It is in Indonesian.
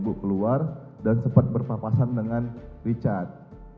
abang kamu keluar dan sempat berpapasan dengan richard